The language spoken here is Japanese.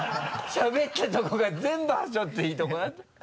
しゃべったところが全部はしょっていいとこだった。